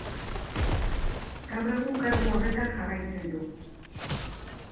Gaur egun kargu horretan jarraitzen du.